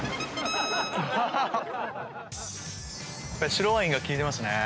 白ワインが効いてますね。